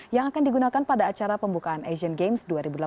yang akan digunakan pada acara pembukaan asian games dua ribu delapan belas